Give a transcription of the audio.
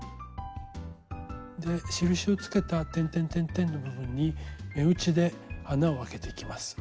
で印をつけたてんてんてんてんの部分に目打ちで穴を開けていきます。